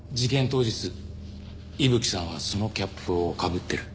当日伊吹さんはそのキャップをかぶってる。